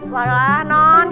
walau lah non